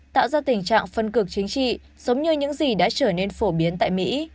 tạo ra tình trạng phân cực chính trị giống như những gì đã trở nên phổ biến tại mỹ